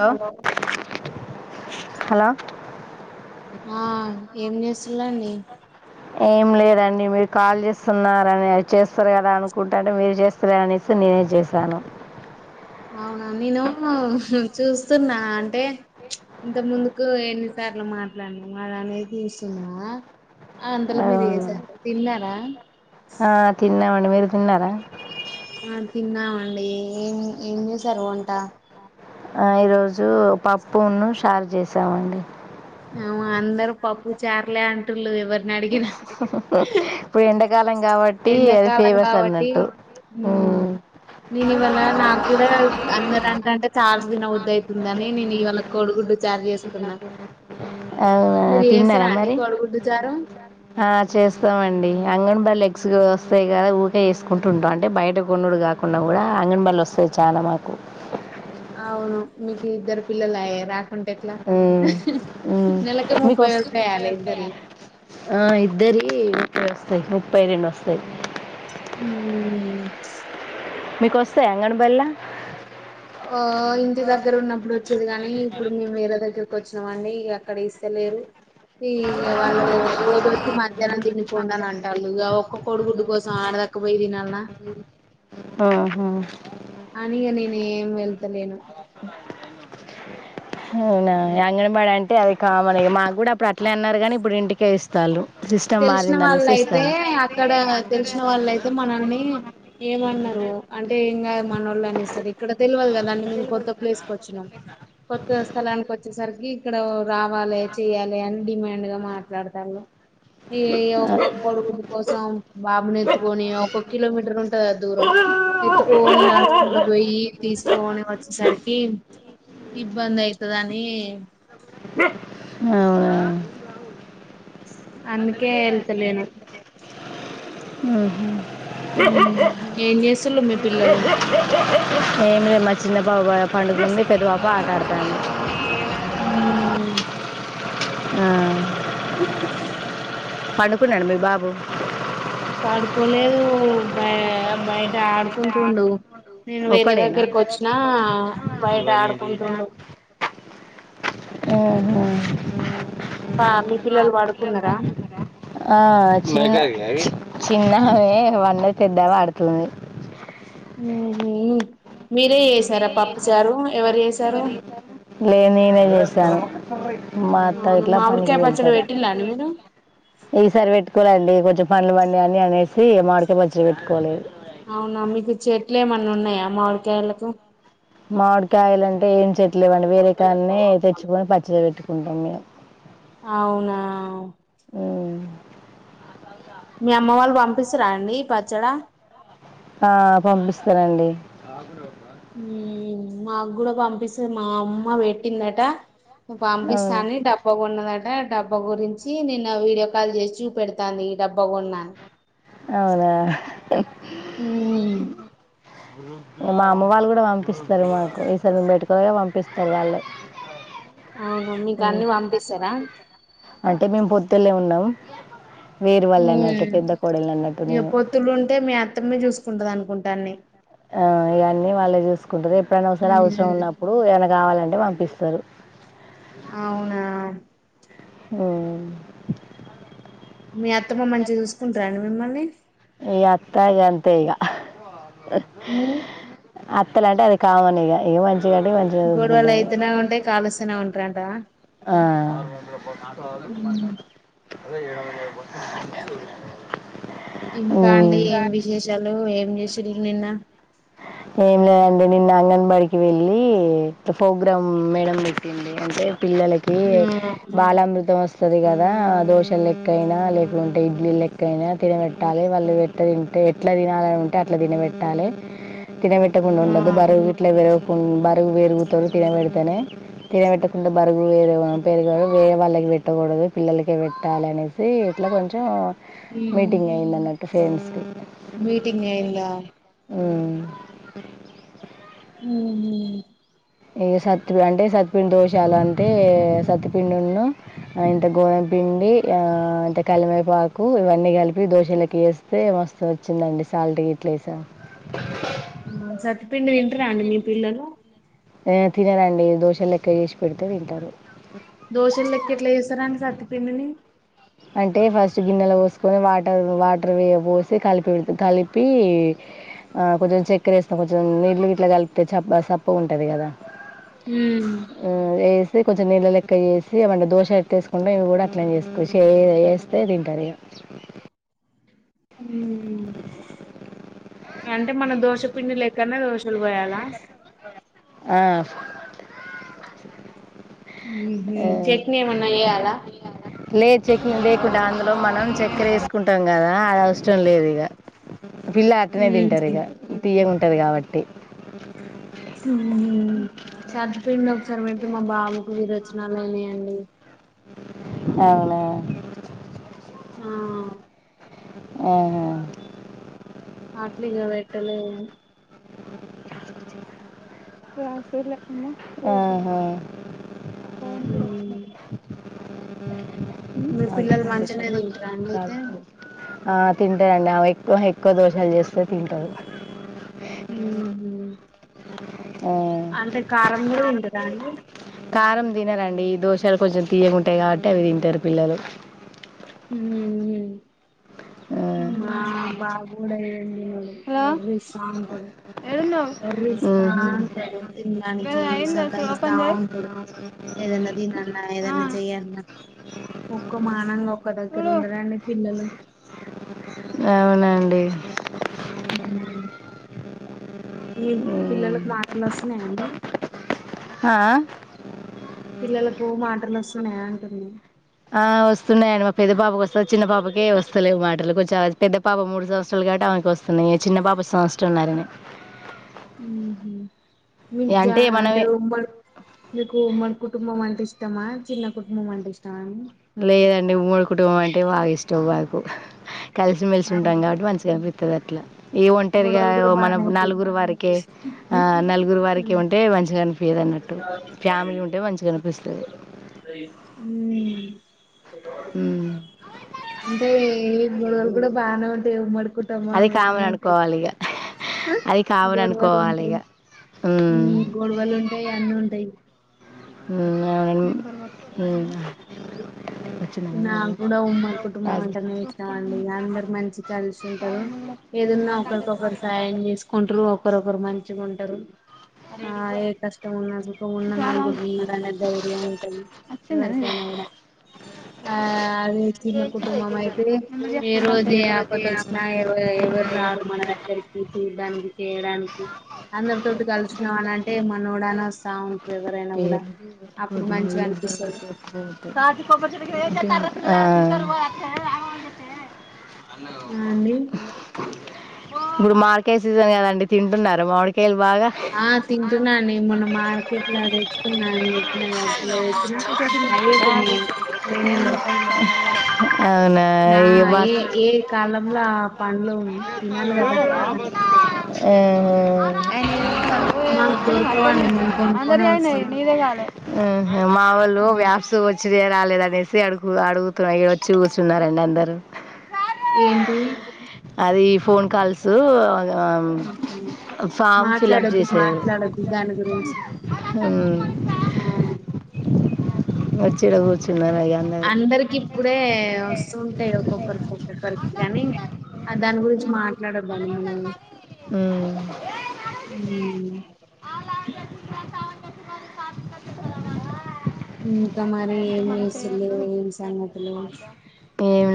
Hello hello ఆ ఏం చేస్తులండి ఏం లేదండి మీరు కాల్ చేస్తున్నారని చేస్తారు కదా అనుకుంటుంటే మీరు చేస్తాలే అనేసి నేనే చేశాను. అవునా నేను చూస్తున్నా అంటే ఇంత ముందుకు ఎన్నిసార్లు మాట్లాడినాము అద అనేది చూస్తున్నా అంతలో మీరు వసార తిన్నారా ఆ తిన్నమన్ మీరు తిన్నారా. ఆ తిన్నామండి ఏం ఏం చేసారు వంట ఆ ఈరోజు పప్పును షార్ చేసామండి అ ఉ అందరు పప్పు చార్లె అంటుళు ఎవరిని అడిగిన ఇప్పుడ్ ఎండక్ గలం కాబట్టి అది ఎండాకాలం ఫేమస్ కాబట్టి అన్నట్టు ఊ ఉమ్, నేను ఇవాళ నాకు కూడా అందరటంటే చార్ తినబుద్ధితుందని నేను ఇవాళ కోడుగుడ్డు చార్ చేసుకున్నా. అవునా మీరు తిన్నార చేస్తారా అండి మరి కోడిగుడ్డు చారు ఆ చేస్తామండి అంగన్బల్లో క్స్ వస్తాయి కదా ఊకే వేసుకుంటూ ఉంటాం అంటే బయట కొనుడు కాకుండా కూడా అంగనబల్లో వస్తాయి చాలా మాకు అవును. మీకి ఇద్దరు పిల్లల అయ్యి రా ఉ ఊ నెలకి మీకు ముప్పై వస్ వస్తాయి అలా ఇద్దరి ఆ ఇద్దరి వస్తాయి వస్తాయి ముప్పై రెండు వస్తాయ్ హమ్ మీకొస్తాయ అంగను బెల్లా ఓ ఇంటి దగ్గర ఉన్నప్పుడు వచ్చేది. కాని ఇప్పుడు మేము వేరే దగ్గరకి వచ్చినాం అండి అ అక్కడ ఇస్తలేరు. ఈ వాళ్ళు రోజు వచ్చి మధ్యాహ్నం తిని పోండి అని అంటాళ్లు. ఒక్క కోడిగుడ్డు కోసం ఆడదక్కపోయి తినాలన్నా. ఆహా అని ఇగా నేను ఏం వెళ్తలేను అవునా అంగన్ బడి అంటే అది కామన్ ఇగ మాకు కూడా అప్పుడు అట్లే అన్నారు. కానీ ఇప్పుడు ఇంటికే ఇస్తాల్లు. తెలిసిన వాళ్ళయితే అక్కడ తెలిసిన వాళ్ళయితే మనల్ని ఏమన్నారు అంటే ఎంగా మనోళ్లని సరి ఇక్కడ తెలివదు కదా అండి, మేము కొత్త ప్లేస్ కి వచ్చినం. కొత్త స్థలానికి వచ్చేసరికి ఇక్కడ రావాలే, చెయాలే అని డిమాండ్ గా మాట్లాడతాళ్ళు. ఈ ఇగ ఒక్కొ కోడి గుడ్డు కొడుకుని కోసం, బాబుని ఎత్తుకొని ఒక్కొ కిలోమీటర్ ఉంటంద దూరం, ఎత్తుకోని నడుచుకుంట పోయి తీసుకోని వచ్చేసరికి ఇబ్బంది అయితదని. అవునా అందుకే వెళ్తలేను ఉహు ఉ ఏం చేస్తుళు మీ పిల్లలు. నువే మా చిన్న పాప పండుకుంది, పెద్ద పాప ఆటాడతాంది. ఉమ్ ఆ పడు పోనాడు మీ బాబు పడుకోలేదు బ బయట ఆడుకుంటుండు నేను వేరే ఒక్కడేనా దగ్గరకు వచ్చినా ఆ బయట ఆడుకుంటుండు హమ్ హమ్ పా మీ ఆ పిల్లలు పడుకున్నారా పండుకున్రా అచ్ చిన్న ఆమె వండ పెద్దా ఆడుతుంది మీ మీరే చేసారా పప్పుచారు ఎవరు చేసారు లేని నేనే చేశాను మా అత్త అవును ఇట్లా పనికి మామిడికాయ పచ్చడి వెళ్తారు పెట్టిలా అండి మీరు ఈసారి వెట్టుకో లెండి కొంచెం పంలు బండి అన్ని అనేసి మామిడి కాయ పచ్చడి పెట్టుకోలేదు అవునా మీకు చెట్లు ఏమన్నా ఉన్నాయా మామిడికాయలకు మావిడి కాయాలంటే ఏంటి చెట్లు లెవ్వండి వేరే కాన్నె తెచ్చుకొని పచ్చడి పెట్టు అవునా హమ్ మీ అమ్మ వాళ్ళు పంపిస్తరా అండి పచ్చడ ఆ పంపిస్తారండి హమ్ మా కూడ పంపిస్తుంది మా అమ్మ వెట్టిందట అవును పంపిస్తుంది డబ్ డబ్బ కొన్నదట డబ్బా గురించి నిన్న వీడియో కాల్ చేసి చూపెడతాంది ఈ డబ్బా కొన్నా అని అవునా హమ్ మా అమ్మ వాళ్ళు కూడా పంపిస్తారు మాకు ఈ సారి బట్టుకులాగా పంపిస్తారు వాళ్ళే అవును మీకు హమ్ అన్ని పంపిస్తారా అంటే మేము పొద్దు తెలె ఉన్నాం వేరు వాళ్ళు అన్నట్టు హమ్ పెద్ద కోడలు అన్నట్టు ఇక నేను పొత్తులు ఉంటే మీ అత్తమే చూసుకుంటది అనుకుం దన్ని ఆ ఇవన్నీ వాళ్ళే చూసుకుంటారు ఎప్పుడైనా సరే అవసరం ఉన్నప్పుడు ఏమైనా కావాలం ఇగ పంపిస్తరు అవునా హమ్ మీ అత్తమ్మ మంచిగ చూసుకుంట్రండి మిమ్మల్ని ఈ అత్తా గంతె ఇగ హమ్ అత్తలు అంటే అది కామన్ ఇగ ఏమ గోడవలు అయితనే ఉంటాయి కాలుస్తనే ఉం గంటనా ఆ [inaudible] ఇంకా అండి ఏం ఉమ్. విశేషాలు ఏం చేశిన్రు నిన్న ఏం లేదండి నిన్న అంగన్వాడికి వెళ్ళి ప్రోగ్రామ్ మేడం పెట్టింది అంటే పిల్లలకి బాలామృతం వస్తుంది సరే కదా దోశలు లెక్కయినా లేకుంటే ఇడ్లీ లెక్కయినా తినబెట్టాలి వాళ్ళు ఎట్ తింటే ఎట్లా తినాల ఉంటే అట్లా తినబెట్టాలె తినమిట్టకుండదు ఆ బరవు గిట్ల వర బరుగు వేరుగుత తినబడితేనే తినబెట్టకుండా బరుగు వేరు పెరు వేరే వాళ్ళకి పెట్టకూడదు పిల్లలక పెట్టాలి అనేది హే ఇట్లా కొంచెం ఉమ్ మీటింగ్ అయింది అన్నట్టు ఫేన్స్కి మీటింగ్ అయిందా హ్మ్ మ్ హుమ్ ఇ సత్పి అంటే సత్పిండి దోశలు అంటే సత్పిండున్ను ఇంత గోధమ పిండి ఆ ఇంత కలివెపాకు ఇవన్నీ కలిపి దోశలోకి వేస్తే మస్తు వచ్చిందండి సాల్ట్ గిట్ల వేసం మ్ సతిపిండి తింట్రండి మీ పిల్లలు ఎ తినరండి దోషలు లెక్క చేసి పెడితే తింటరు. దోషలు లెక్క ఎట్లా చేస్తారండి సత్తపిండిని అంటే ఫస్ట్ గిన్నెలో పోసుకొని వాటర్ వట్రర్ మీద పోసి కలిపిండ్ కలిపి ఆ కొంచెం చక్కెర వేస్తాం కొంచెం నీళ్లు గీట్లా కలిపితే చ సప్ప ఉంటది కదా హ్మ్ కొంచెంనీళ్ళ లెక్క ఎసి అవంటిని దోశ ఎట్టేసుకుంటడా ఇవి కూడా అట్లే చేసుకో చేయలె చేస్తే తింటారు ఇగా హ్మ్ అంటే మన దోష పిండి లేక్కనె దోషలు వొయాలా చట్నీమన్నా ఏయాలా లేద్ చెట్నీ లేకుండా అందులో మనం చెక్కరేసుకుంటాం కదా అది అవసరం లేదు ఇక విల్లు అట్టనే తింటారు ఉహు ఇగ తీయగుంట ఉంటంది కాబట్టి మ్ హ్ సద్దుపిండి ఒకసారి పెడితే మా బామకు విరోచనలు అయినాయండి అవునా ఆ ఆహా అట్లిగా పెట్టలే ఆహా హ్మ్ మీ పిల్లలు మంచినే తింటారా అండి అయితే ఆ తింటారండి ఆ ఎక్కువ ఎక్కువ దోసలు చేస్తే తింటారు హు హు ఆ అంటే కారం కూడా తింటరా అండి కారం తినరండి దోసలు కొంచెం తీయగుంటాయి కావట్టి అవి తింటారు పిల్లలు హు హు ఆ, మా బాబు కూడా ఏందో ఒర్రిస్తా ఉంటాడు ఒర్రిస్ రా మ్మ్. అంటరు తినడానికి చేసా ఇవి ఓపెన్ చేయ్ ఆ ఏదన్నా చెయ్యాలన్న ఒక్కో మానంగా ఒక్క దగ్గర ఉండరండి పిల్లలు అవునండి హుమ్మ్ మీ మ్మ్. పిల్లలకు మాటలొస్తున్నయా అండి ఆ? పిల్లలకు మాటలొస్తున్నయా అంటున్నా ఆ వస్తూ వస్తున్నాయండి మా పెద్ద పాపకొస్తది చిన్న పాపకే వస్తలేవు మాటలు కొంచెం ఆ పెద్ద పాప మూడు సంవత్సరాలు కాబట్టి ఆమెకి వస్తున్నాయి చిన్న పాప సంవత్సరంన్నరనే ఊహు ఇగ మీది జాయింట్ అంటే మనమే ఉమ్మడి మీకు ఉమ్మడి కుటుంబం అంటే ఇష్టమా చిన్న కుటుంబం అంటే ఇష్ లేదండి ఉమ్మడి కుటుంబం అంటే బాగా ఇష్ తో వైపు కలిసి మెలిసి ఉంటాం అవును కాబట్టి మంచిగా అనిపిస్త అయితదట్ల ఈ ఒంటరిగా గొడవలు కూడా మనం బానే అయితాయి నలుగురు వరికే ఆ నలుగురు ఉ వరికే ఉంటే మంచిగా అనిపియ్యదన్నట్టు ఫ్యామిలీ ఉంటే మంచిగా అనిపిస్తుది ఉమ్ అంటే గొడవలు కూడా బానే ఉంటాయి ఉమ్మడి అది కుటుంబంలో అన్ని కామన్ ఉంటాయి అనుకోకవాలి ఇక గొడవలు ఉంటయ్ హ్మ్. హుమ్ గొడవలు ఉంటయ్ అన్ని ఉంటయ్ హు హు నాక్కూడా ఉమ్మడి కుటుంబం రాజు అంటెనే ఇష్టమండి అందరు మంచిగ కలిసి ఉంటారు ఏదున్నా ఒకరికొకరు సాయం చేసుకుంటరు ఒకరొకరు మంచిగుంటరు ఆ ఏ కష్టం ఉన్న సుఖం ఉన్న నలుగురు ఉన్నరనే ధైర్యం ఉంటది ఎవరికైనా కూడా ఆ అదే చిన్న కుటుంబం అయితే ఏ రోజు ఏ ఆపద వచ్చినా ఎవరు మన దగ్గరికి చూడానికి చేయడానికి అందరితోటి కలిసి వచ్చినవని అంటే మనోడని వస్తావుంటారు ఎవరైనా కూడా పేర్లు అప్పుడు పొద్దున మంచిగా అనిపిస్తది ఏం చేస్తారు ఆ ఆ అండి ఇప్పుడు మామిడికాయ సీజన్ కదండి తింటున్నార మామిడికాయలు బాగా ఆ తింటున్నాను అండి మొన్న మార్కెట్ల తెచ్చుకున్న అని చెప్పిన కదా ఒక కిలో తెచ్చిన అయ్యేపోయినయి లేనెలెవ్ అవునా ఇక ఏ మస్తు ఏ కాలంలో ఆ పండ్లు తినాలి కదా తినే మాకు అరె దొరకవండి మేము కొనుక్కొనే అందిరివి అయినయి వస్తాం నీవె కాలె మా వాళ్ళు వ్యాప్స్ వచ్చినయరాలేదా అని వస్తే అడుగు అడుగుతున్న ఇక వచ్చి కూర్చున్నారండి అందరు ఏంటి అది ఫోన్ కాల్సు ఆమ్ ఫామ్ ఫిలప్ చేశారు మాట్లాడద్దు దాని గురించి ఆ వచ్చిడ కూర్చున్నా అందరికి ఇప్పుడే వస్తుంటాయి ఒక్కొక్కరికి ఒక్కొక్కరికి కానీ ఆదని గురించి మాట్లాడొద్దాన్ని మనం వాళ్ళు ఉమ్ వాళ్ళు ఇంకా మరి ఎంత ఏం చేస్తులు మనసేపుఏం ఏం సంగతులు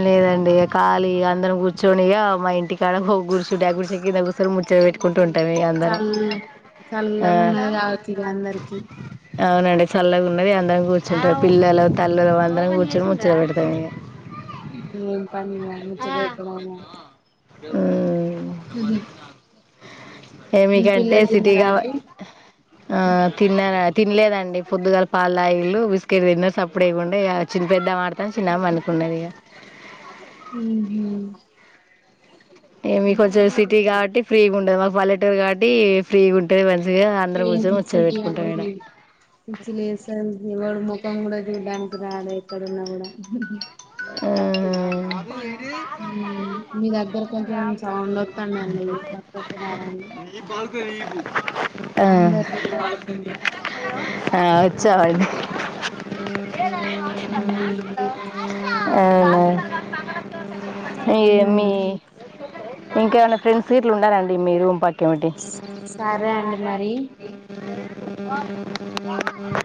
లేదండి ఇగ ఖాళీగ అందరం కూర్చొనిగా మా ఇంటిక్ కాడ ఒ గుడిసే ఉండే ఆ గుడిసే కింద ముచ్చట పెట్ కొంటుంటే అంట మే అందరం చల్ల ఆ, చల్లగా ఉన్నది కావచ్చు ఇక అందరికి చల్లగున్నది అందరం కూర్చుంటామ్ పిల్లలు తల్లులు అందరం కూర్చుని ముచ్చట్లు పెడతాము ఇగ హా పని మంచిగేగా హ్మ్ ఊహు ఏమిటికంటే సిటీగా అండి ఆ తిన్నార్ తినలేదండి పొద్దుగాల పాలు తాగిర్రు బిస్కెట్ తిన్నారు సప్ ఇప్పుడేఉండే చిన్న పెద్ద ఆడతాం చిన్నగ పడుకున్నది ఇక ఉహు ఏమీ కొంచెం ఇంకా సిటీ పడుకున్నారు. కాబట్టి ఫ్రీ ఉండదు మాక్ పల్లెటూరు కాబట్టి ఫ్రీగుంటది మన్ ఏం సిటీ అచసలు పిచ్చి లేస్తది ఎవడు ముక పొంగుడ చూడ్డానికి రాలే ఎక్కడన్నా కూడా హు.. హు మీ దగ్గర కొంచెం సౌండ్ వత్తందండి పక్కకు రారాఅండి [inaudible] అందరు దినవాడుతుంది [unintelligible] హు అవూ హే యామి ఉమ్ ఇంకాేమైనా ఫ్రెండ్స్ ఇట్లు ఉండాలండి మీ రూమ్ పక్క ఏమిటి సరే అండి మరి [inaudible]